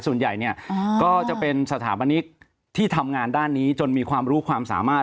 ส่วนใหญ่เนี่ยก็จะเป็นสถาปนิกที่ทำงานด้านนี้จนมีความรู้ความสามารถ